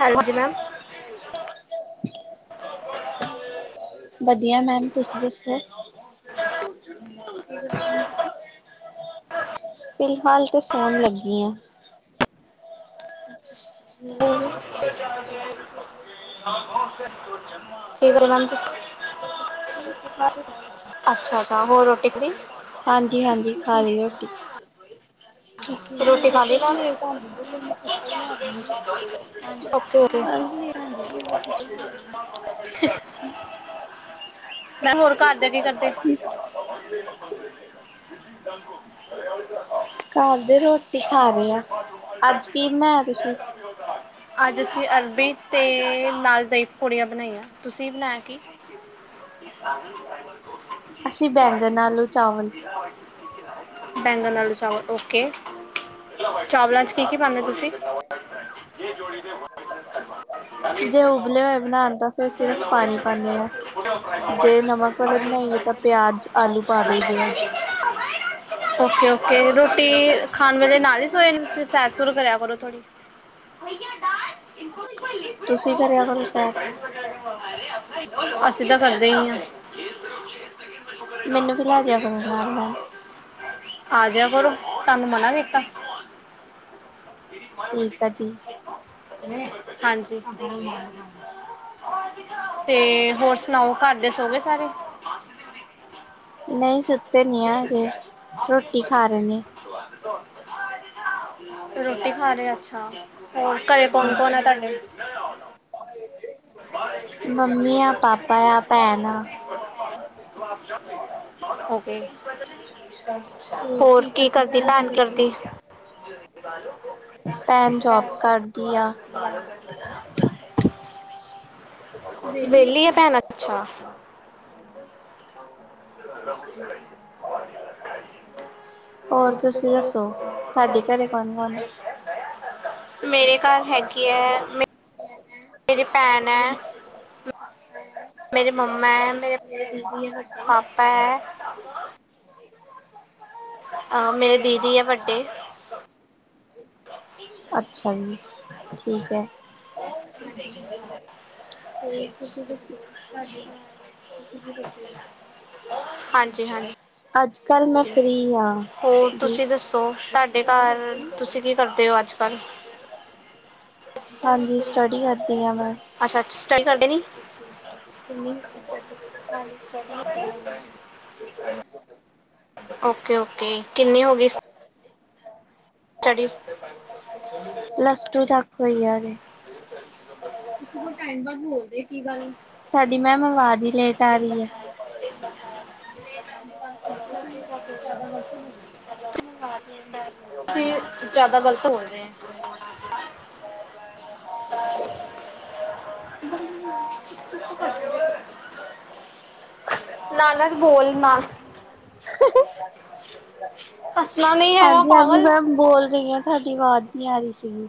ਹਾਂਜੀ ਮੈਮ। ਵਧੀਆ ਮੈਮ ਤੁਸੀਂ ਦੱਸੋ। [unintelligible] ਫਿਲਹਾਲ ਤੇ ਸੋਣ ਲੱਗੀ ਆ। [inaudible] [unintelligible] ਅੱਛਾ ਤਾਂ ਹੋਰ ਰੋਟੀ ਖਾਲੀ। ਹਾਂਜੀ ਹਾਂਜੀ ਖਾ ਲਈ ਰੋਟੀ। ਘਰ ਰੋਟੀ ਖਾ ਲਈ ਮੈਮ ਔ ਕੇ [unintelligible] [inaudible] ਮੈਂ ਹੋਰ ਘਰ ਦੇ ਕੀ ਕਰਦੇ। [inaudible] ਦੇ ਰੋਟੀ ਖਾ। ਰਹੇ ਆ। ਅੱਜ ਕੀ ਬਣਾਇਆ ਤੁਸੀਂ? ਅਜ ਅਜ ਅਸੀ ਅਰਬੀ ਤੇ ਨਾ ਅਸੀ ਦਹੀਂ ਪਕੌੜੀਆਂ ਬਣਾਈਆਂ। ਤੁਸੀਂ ਬਣਾਇਆ ਕੀ? ਅਸੀਂ ਬੈਂਗਣ ਆਲੂ ਚਾਵਲ [unintelligible] ਬੈਂਗਨ ਨਾਲ ਚਾਵਲ ਓਕੇ। ਚਾਵਲਾਂ ਚ ਕੀ ਕੀ ਪਾਦੇ ਤੁਸੀਂ। ਜੇ ਉਬਲੇ ਹੋਏ ਬਣਾਣ ਤਾਂ ਫਿਰ ਸਿਰਫ ਪਾਣੀ ਪਾਨੇ ਹਾਂ। ਜੇ ਨਮਕ ਵਾਲੇ ਬਣਾਈਏ ਤਾਂ ਪਿਆਜ ਆਲੂ ਪਾ ਦੇ। ਓਕੇ- ਓਕੇ ਰੋਟੀ ਖਾਣ ਵੇਲੇ ਨਾਲ ਹੀ ਸੋਏ ਨ ਦੇ ਤੁਸੀਂ। ਸੈਸ ਸ਼ੁਰੂ ਕਰਿਆ ਕਰੋ ਥੋੜੀ। ਤੁਸੀਂ ਕਰਿਆ ਕਰੋ ਸੈਰ ਅਸੀ ਤਾਂ ਕਰਦੇ ਇ ਆ। ਮੈਨੂੰ ਫਿਲਹਾਲ ਆ ਜਾਇਆ ਕਰੋ ਤੁਹਾਨੂੰ ਮਨਾ ਕੀਤਾ [unintelligible] ਹਾਂਜੀ। ਤੇ ਹੋਰ ਸੁਣਾਓ ਘਰ ਦੇ ਸੋ ਗਏ ਸਾਰੇ। ਨਹੀਂ ਸੁਤੇ ਨੀ ਆ ਅਜੇ। ਰੋਟੀ ਖਾ ਰਹੇ ਅੱਛਾ। ਹੋਰ ਘਰੇ ਕੋਨ ਕੋਨ ਹੈ ਤੁਹਾਡੇ? [inaudible] ਬਾਰੇ ਡੇਂਗੂ ਮੰਮੀ ਆ ਮਲੇਰਆ ਚਿਕਨ ਪਾਪਾ ਆ ਦੁਨੀਆਂ ਦੇ ਮੱਛਰ ਭੈਣ ਨੂੰ ਆ ਠਕ ਕਰ ਸਕ ਆਪ ਜਾ [unintelligible] ਓਕੇ। ਹੋਰ ਕੀ ਕਰਦੀ ਭੈਣ ਕਰਦੀ? ਭੈਣ ਜੋਬ ਕਰਦੀ ਆ [unintelligible] ਵੈਹਲੀ ਹੈ ਭੈਣ ਅੱਛਾ। ਰਊਜ਼ ਖਾਈਏ ਵਾਰੀਲਾ ਖਾਈਏ [unintelligible] ਹੋ ਹੋਰ ਤੁਸੀ ਤੁਸੀਂ ਦੱਸੋ ਦਸੋ ਤੁਹਾਡੇ ਤਵਢੇ ਘਰੇ? ਕੌਣ ਕੌਣ ਹੈ ਮੇਰੇ ਘਰ ਹੈਗੇ। ਕੀ ਹੈ ਮੈਂ [unintelligible] ਮੇਰੀ ਮੰਮਾ ਹੈ ਮੇਰੇ ਪਾਪਾ ਹੈ। ਅ ਮੇਰੇ ਦੀਦੀ ਹੈ ਵੱਡੇ। ਅੱਛਾ ਜੀ ਠੀਕ ਹੈ। ਹਾਂਜੀ। ਤੁਸੀਂ ਦੱਸੋ ਸਾਡੇ ਘਰ ਤੁਸੀਂ ਕੀ ਕਰਦੇ ਓ। ਹਾਂਜੀ ਹਾਂਜੀ ਅੱਜ ਕੱਲ ਮੈਂ ਫਰੀ ਹੋਰ ਤੁਸੀਂ ਦੱਸੋ ਤੁਹਾਡੇ ਘਰ ਤੁਸੀਂ ਕੀ ਕਰਦੇ ਹੋ ਅੱਜ ਕੱਲ ਹਾਂਜੀ ਸਟੱਡੀ ਕਰ ਗਈ ਆ ਮੈਂ ਅੱਛਾ ਅੱਛਾ ਸਟੱਡੀ ਕਰਦੇ ਨਹੀਂ ਕਿੰਨੀ ਖਾਲੀ ਸ਼ਗਨ ਤਿਆਰ ਏ। ਓਕੇ, ਓਕੇ ਕਿੰਨੀ ਹੋ ਗਈ। ਸਟਡੀ। ਪਲੱਸ ਟੂ ਤੱਕ ਹੋਈ ਆ ਹਜੇ। [unintelligible] ਤੁਸੀਂ ਬਹੁਤ ਟਾਈਮ ਬੋਲਦੇ ਦੇ ਹੋ ਕੀ ਗੱਲ ਤੁਹਾਡੀ ਮੈਮ ਆਵਾਜ਼ ਹੀ ਲੇਟ ਆ ਰਹੀ ਹੈ। [inaudible] ਤੁਸੀਂ ਜਿਆਦਾ ਗ਼ਲਤ ਬੋਲ ਰਹੇ। [inaudible] ਨਾਨਕ ਬੋਲ ਨਾ। ਉਰੇ, ਆ ਕੇ। ਮਸ਼ਕਰੀ ਕਰ ਓ। ਹੱਸਣਾ ਨਹੀਂ ਹੈਗਾ ਹਾਂਜੀ-ਹਾਂਜੀ, ਪਾਗਲ ਮੈਂ ਬੋਲ ਰਹੀ ਹਾਂ। ਤੁਹਾਡੀ ਆਵਾਜ਼ ਨੀ, ਆ ਰਹੀ ਸੀਗੀ।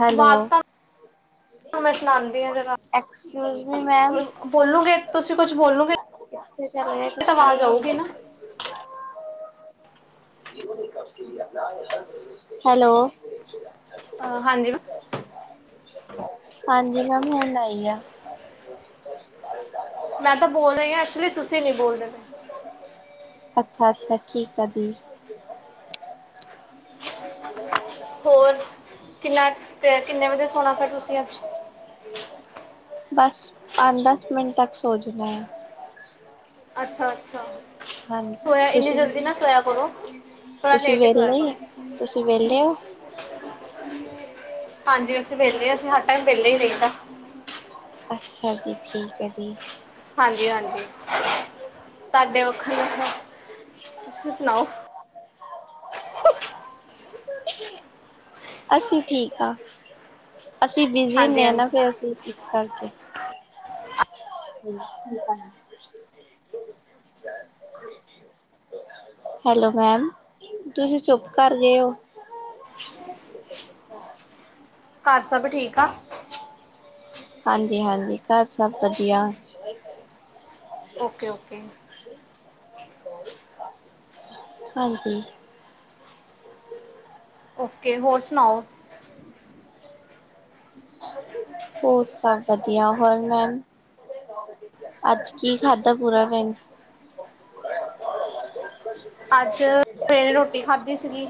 ਹੈਲੋ। ਤਾਂ ਮੈਂ, ਸੁਣਾਉਂਦੀ ਹਾਂ, ਜਰਾ। ਐਕਸਕਿਊਜ ਮੀ ਮੈਮ ਬੋਲੂਗੇ, ਤੁਸੀਂ ਕੁਛ ਬੋਲੋਗੇ। ਕਿੱਥੇ, ਚਲੇ ਓ ਤਾਂ ਆਵਾਜ਼ ਤੁਸੀਂ? ਆਊਗੀ ਨਾ ਹੈਲੋ। ਹਾ, ਹਾਂਜੀ। ਮੇਮ। ਹਾਂਜੀ, ਮੈਮ। ਹੁਣ ਆਈ ਆ। ਮੈਂ, ਤਾਂ ਬੋਲ ਰਹੀ ਆ। ਐਕਚੁਲੀ ਤੁਸੀਂ, ਨਹੀਂ ਬੋਲਦੇ ਪੇ। ਅੱਛਾ-ਅੱਛਾ, ਠੀਕ ਆ ਦੀ। ਇਹ [unintelligible] ਹੋਰ ਕਿੰਨਾ, ਕਿੰਨੇ ਵਜੇ ਸੋਣਾ, ਫੇਰ ਤੁਸੀਂ ਅੱਜ? ਬਸ, ਪੰਜ, ਦਸ ਮਿੰਟ ਤੱਕ ਸੋ ਜਣਾ ਹੈ। ਅੱਛਾ- ਅੱਛਾ, ਹਾਂਜੀ, ਸੋਇਆ ਇੰਨੀ, ਤੁਸੀਂ ਜਲਦੀ ਨਾ ਸੋਇਆ ਕਰੋ। ਥੋੜਾ ਤੁਸੀਂ ਲੇਟ ਹੀ, ਸੋ ਆ ਵਿਹਲੇ, ਕਰੋ। ਤੁਸੀਂ ਵਿਹਲੇ ਹੋ? ਹਾਂਜੀ। ਅਸੀਂ, ਵਿਹਲੇ ਆ। ਅਸੀਂ ਹਰ, ਟਾਈਮ ਵਿਹਲੇ ਹੀ, ਰਹਿੰਦਾ। ਅੱਛਾ ਜੀ। ਠੀਕ ਹੈ ਜੀ। ਹਾਂਜੀ-ਹਾਂਜੀ। ਤੁਹਾਡੇ ਵਖਣ, ਤੁਸੀਂ ਸੁਣਾਓ? ਅਸੀਂ, ਠੀਕ ਆ। ਅਸੀਂ ਬਿਜੀ, ਹਾਂਜੀ ਹੁੰਣੇ ਹਾਂ ਹਾਂਜੀ ਨਾ। ਫੇਰ, ਅਸੀਂ ਇਸ ਕਰਕੇ। ਹਾਂਜੀ, ਠੀਕ ਹੈ। [inaudible] ਹੈਲੋ ਮੈਮ, ਤੁਸੀਂ, ਚੁੱਪ ਕਰ ਗਏ ਹੋ? ਘਰ, ਸਭ ਠੀਕ ਆ? ਹਾਂਜੀ- ਹਾਂਜੀ, ਘਰ ਸਭ ਵਧੀਆ। Okay- okay. ਹਾਂਜੀ। ਓਕੇ, ਹੋਰ ਸੁਣਾਓ? ਹੋਰ ਸਭ ਵਧੀਆ। ਹੋਰ ਮੈਮ? ਅੱਜ ਕੀ, ਖਾਧਾ ਪੂਰਾ ਦਿਨ। ਅੱਜ, ਸਵੇਰੇ ਰੋਟੀ ਖਾਧੀ ਸੀਗੀ।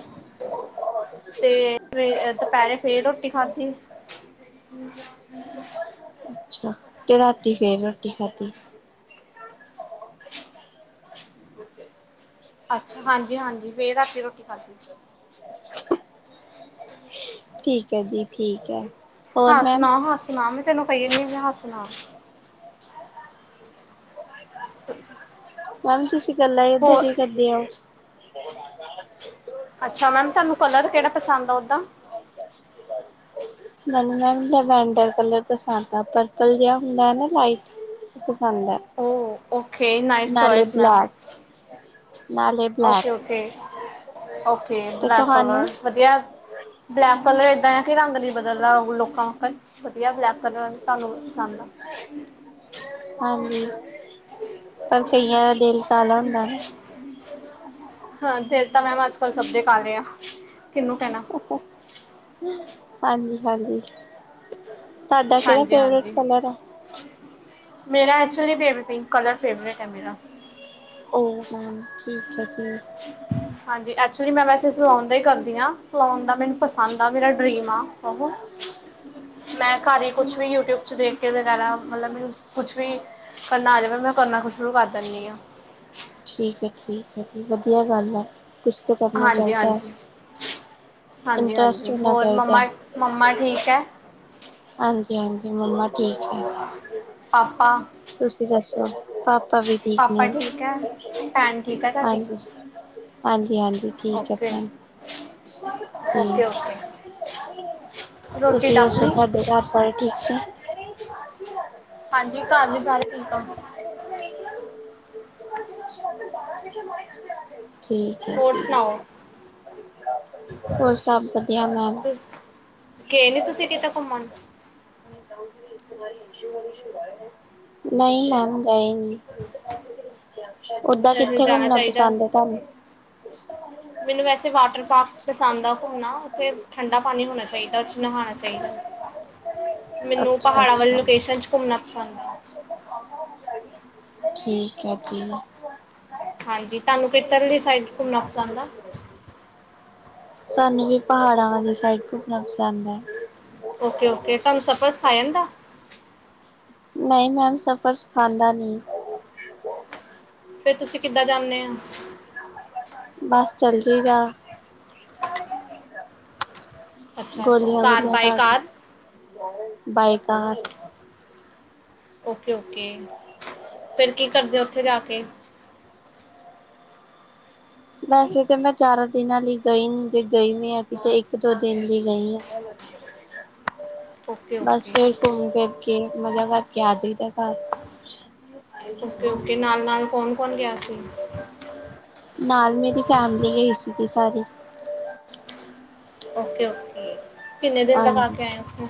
ਤੇ ਫ ਦੁਪਹਿਰੇ, ਫੇਰ ਰੋਟੀ ਖਾਧੀ। [unintelligible] ਅੱਛਾ। ਤੇ, ਰਾਤੀ ਫੇਰ ਰੋਟੀ ਖਾਧੀ। ਅੱਛਾ। ਹਾਂਜੀ- ਹਾਂਜੀ, ਫ ਰਾਤੀ ਰੋਟੀ ਖਾਧੀ। ਠੀਕ ਹੈ ਜੀ। ਠੀਕ ਹੈ। ਹੋਰ ਹਾਂ, ਮੈਮ ਸੁਣਾਵਾ ਸੁਣਾ ਮੈਂ ਤੈਨੂੰ ਪਈ ਇਹ ਵੀ ਮੈਂ, ਹੱਸ ਲਾ। [inaudible] ਮੈਮ ਤੁਸੀਂ, ਗੱਲਾਂ ਏਧਾ ਹੋਰ ਦੀ, ਹੀ ਕਰਦੇ ਆਓ? ਅੱਛਾ, ਮੈਮ ਤੁਹਾਨੂੰ ਕਲਰ, ਕਿਹੜਾ ਪਸੰਦ ਆ ਓਦਾ। ਮੈਨੂੰ ਨਾ, ਲਵੈਂਡ ਕਲਰ, ਪਸੰਦ ਆ। ਪਰਪਲ ਜਿਹਾ ਹੁੰਦਾ ਨਾ ਲਾਈਟ। ਪਸੰਦ ਹੈ। Oh okay. ਨਾਈਸ ਨਾਲੇ ਚੋਇਸ, ਮੈਮ। ਬਲੈਕ ਨਾਲੇ ਬਲੈਕ ਓਕੇ- ਓਕੇ। ਓਕੇ, ਤੇ ਬਲੈਕ ਕਲਰ ਤੁਹਾਨੂੰ ਵਧੀਆ। Black colour. ਕੈਂ ਕੇ ਰੰਗ ਨੀ ਬਦਲਦਾ ਹੋਰ ਲੋਕਾਂ ਵਕਰ ਵਧੀਆ ਬਲੈਕ ਕਲਰ, ਤੁਹਾਨੂੰ ਪਸੰਦ ਆ। ਹਾਂਜੀ। ਪਰ, ਕਈਆਂ ਦਾ ਦਿਲ, ਕਾਲਾ ਹੁੰਦਾ ਨਾ। ਹਾਂ। ਫੇਰ ਤਾਂ, ਮੈਮ ਅੱਜ ਕੱਲ ਸਭ ਦੇ ਕਾਲੇ ਆ। ਕਿਹਨੂੰ ਕਹਿਣਾ ਹਾਂਜੀ- ਹਾਂਜੀ। ਤੁਹਾਡਾ ਕਿਵੇਂ ਫੇਵਰੇਟ ਹਾਂਜੀ-ਹਾਂਜੀ। ਕਲਰ ਆ ਮੇਰਾ actually baby pink colour favourite ਹੈ ਮੇਰਾ ਉਹ ਹੌ ਠੀਕ ਹੈ ਜੀ ਹਾਂਜੀ [unintelligible] ਐਕਚੁਲੀ ਮੈਂ ਵੈਸੇ ਸਿਲਾਉਣ ਦਾ ਹੀ ਕਰਦੀ ਹਾਂ ਸਲਾਉਣ ਦਾ ਮੈਨੂੰ ਪਸੰਦ ਆ ਮੇਰਾ ਡਰੀਮ ਆ ਮੈਂ ਘਰ ਹੀ ਕੁਛ ਵੀ ਯੂਟਿਊਬ ਚ ਦੇਖ ਕੇ ਵਗੈਰਾ ਮਤਲਬ ਕੁਛ ਵੀ ਕਰਨਾ ਆ ਰਿਹਾ ਪਰ ਮੈਂ ਕਰਨਾ ਕੁ ਸ਼ੁਰੂ ਕਰ ਦਿੰਦੀ ਹਾਂ [inaudible] ਠੀਕ ਹੈ ਠੀਕ ਹੈ ਵਧੀਆ ਗੱਲ ਹੈ ਕੁਛ ਤਾਂ ਕਰਨਾ ਚਾਹੀਦਾ ਹੈ ਹਾਂਜੀ ਇੰਟਰਸਟ ਹਾਂਜੀ ਹੋਣਾ ਹੋਰ ਚਾਹੀਦਾ ਮੰਮਾ ਹੈ ਮੰਮਾ ਠੀਕ ਹੈ ਹਾਂਜੀ ਹਾਂਜੀ ਮੰਮਾ ਠੀਕ ਹੈ ਪਾਪਾ ਤੁਸੀਂ ਦੱਸੋ ਪਾ ਪਾਪਾ ਵੀ ਠੀਕ ਨੇ ਪਾਪਾ ਹੈ ਭੈਣ ਠੀਕ ਹੈ ਤੁਹਾਡੀ ਹਾਂਜੀ ਹਾਂਜੀ ਹਾਂਜੀ ਠੀਕ ਹੈ ਓਕੇ ਫੈਣ ਓਕੇ ਓਕੇ ਰੋਟੀ ਤੁਸੀਂ ਟੱਪ ਦੱਸੋ ਲਈ ਤੁਹਾਡੇ ਘਰ ਸਾਰੇ ਠੀਕ ਹਾਂਜੀ ਘਰ ਵੀ ਸਾਰੇ ਠੀਕ ਆ ਠੀਕ ਹੈ ਠੀਕ ਹੋਰ ਸਭ ਵਧੀਆ ਮੈਮ ਕਿ ਨੀ ਤੁਸੀਂ ਕਿ [unintelligible] ਘਮਣ ਨਹੀਂ [unintelligible] ਓਦਾਂ ਕਿੱਥੇ ਜਾਣਾ ਘੁੰਮਣਾ ਚਾਹੀਦਾ ਪਸੰਦ ਹੈ ਤੁਹਾਨੂੰ ਮੈਨੂੰ ਵੈਸੇ ਵਾਟਰ ਪਾਰਕ ਪਸੰਦ ਆ ਘੁੰਮਣਾ ਉੱਥੇ ਠੰਡਾ ਪਾਣੀ ਹੋਣਾ ਚਾਹੀਦਾ ਚ ਨਹਾਉਣਾ ਚਾਹੀਦਾ [inaudible] ਮੈਨੂੰ ਅੱਛਾ ਪਹਾੜਾਂ ਵਾਲੀ ਅੱਛਾ ਲੋਕੇਸ਼ਨ ' ਘੁੰਮਣਾ ਪਸੰਦ ਹੈ ਠੀਕ ਹੈ ਜੀ ਹਾਂਜੀ ਤੁਹਾਨੂੰ ਖਤਰਲੀ ਸਾਈਡ ਘੁੰਮਣਾ ਪਸੰਦ ਆ ਸਾਨੂੰ ਵੀ ਪਹਾੜਾਂਵਾਂੀ ਸਾਈਡ ਘੁਮਣਾ ਪਸੰਦ ਹੈ ਓਕੇ ਓਕੇ ਤੁਹਾਨੂੰ ਸਪ ਸਿਖਾ ਜਾਂਦਾ ਨਹੀਂ ਮੈਮ ਸਫ਼ਰ ਸਿਖਾਂਦਾ ਨੀ ਫੇਰ ਤੁਸੀਂ ਕਿੱਦਾਂ ਜਾਂਦੇ ਹੋ ਬਸ ਚੱਲ ਜਾਈ ਦਾ ਅੱਛਾ ਅੱਛਾ car by car [unintelligible] ਬਏਕਾ okay okay, ਫੇਰ ਕੀ ਕਰਦੇ ਉੱਥੇ ਜਾ ਕੇ? ਵੈਸੇ ਤਾਂ ਮੈਂ ਚਾਰਾਂ ਦਿਨਾਂ ਲਈ ਗਈ ਜੇ ਗਈ ਵੀ ਆ ਕਿਤੇ ਇੱਕ ਦੋ ਦਿਨ ਲਈ ਗਈ ਆ। ਓਕੇ ਬਸ ਓਕੇ ਫੇਰ ਘੁੰਮ ਫਿਰ ਕੇ ਮਜ਼ਾ ਕਰਕੇ ਆਦੀ ਤੱਕ ਓਕੇ ਓਕੇ, ਨਾਲ-ਨਾਲ ਕੌਣ-ਕੌਣ ਗਿਆ ਸੀ। ਨਾਲ ਮੇਰੀ ਫੈਮਿਲੀ ਗਈ ਸੀਗੀ ਸਾਰੀ, ਓਕੇ ਓਕੇ, ਕਿੰਨੇ ਦਿਨ ਲਗਾ ਹਾਂਜੀ ਕੇ ਆਏ ਔ ਤੁਸੀ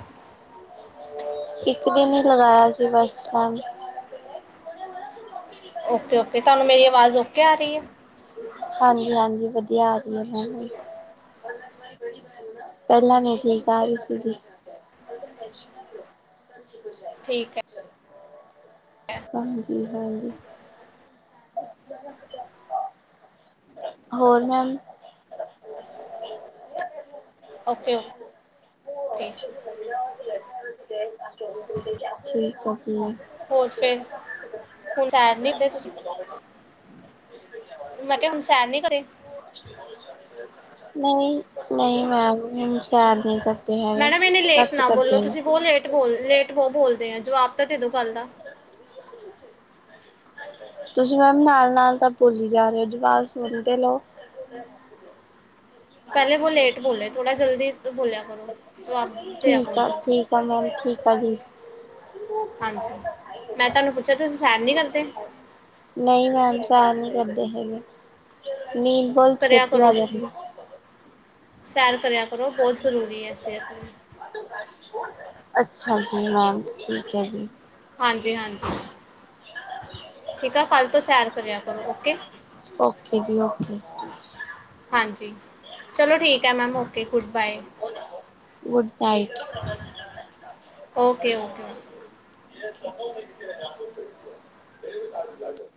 ਇੱਕ ਦਿਨ ਹੀ ਲਗਾਇਆ ਸੀ ਬਸ ਓਕੇ ਓਕੇ, ਤੁਹਾਨੂੰ ਮੇਰੀ ਆਵਾਜ਼ ਓਕੇ ਆ ਰਹੀ ਹੈ? ਹਾਂਜੀ-ਹਾਂਜੀ ਵਧੀਆ ਆ ਰਹੀ ਐ ਗੀ ਪਹਿਲਾਂ ਨੀ ਠੀਕ ਆਰੀ ਸੀ ਠੀਕ ਹੈ, ਹਾਂਜੀ-ਹਾਂਜੀ, ਹੋਰ ਮੈਮ ਓਕੇ ਓਕੇ, ਠੀਕ ਔ ਹੋਰ ਫੇਰ ਹੁਣ ਸੈਰ [unintelligible] ਮੈਂ ਕਿਹਾ ਹੁਣ ਸੈਰ ਨੀ ਕਰੀ ਨਹੀਂ-ਨਹੀਂ ਮੈਮ, ਹੁਣ ਸੈਰ ਨਹੀਂ ਕਰਦੇ ਹੈਗੇ ਮੈਡਮ ਇਹਨੇ ਲੇਟ ਘੱਟ ਨਾ ਬੋਲੋ ਕਰਦੇ ਨੇ। ਤੁਸੀਂ ਬਹੁਤ ਲੇਟ ਬੋਲ ਲੇਟ ਬ ਬੋਲਦੇ ਆ ਜੋ ਆਪ ਤਾ ਤੈਨੂੰ ਕੱਲ ਦਾ ਤੁਸੀਂ ਮੈਮ ਨਾਲ-ਨਾਲ ਤਾਂ ਬੋਲੀ ਜਾ ਰਹੇ ਹੋ ਜਵਾਬ ਸੁਣਦੇ ਲਓ, [unintelligible] ਪਹਿਲੇ ਬੋਲੇ ਥੋੜਾ ਜਲਦੀ ਬੋਲਿਆ ਕਰੋ ਜਵਾਬ ਦਿਆ ਠੀਕ ਕਰੋ ਆ ਜਲਦੀ ਠੀਕ ਆ ਮੈਮ ਠੀਕ ਆ ਜੀ, ਹਾਂਜੀ ਮੈਂ ਤੁਹਾਨੂੰ ਪੁੱਛਿਆ ਤੁਸੀਂ ਸੈਰ ਨਹੀਂ ਕਰਦੇ? ਨਹੀਂ ਕੰਮ ਸਾਰ ਨਹੀਂ ਕਰਦੇ ਹੈਗੇ। ਨੀਦ ਬਹੁਤ ਕਰਿਆ ਛੇਤੀ ਕਰੋ ਆ ਜਾਂਦੀ ਐ ਸੈਰ ਕਰਿਆ ਕਰੋ ਬਹੁਤ ਜ਼ਰੂਰੀ ਹੈ ਸਿਹਤ ਲਈ ਅੱਛਾ ਜੀ ਮੈਮ ਠੀਕ ਹੈ ਜੀ, ਹਾਂਜੀ-ਹਾਂਜੀ ਠੀਕ ਆ ਕੱਲ ਤੋਂ ਸੈਰ ਕਰਿਆ ਕਰੋ ਓਕੇ, ਓਕੇ ਜੀ ਓਕੇ ਹਾਂਜੀ ਚਲੋ ਠੀਕ ਹੈ ma'am okay, good bye [unintelligible] okay okay, ਇਹ